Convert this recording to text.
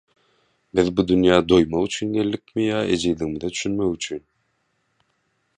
Biz bu dünýä doýmak üçin geldikmi ýa ejizligimize düşünmek üçin?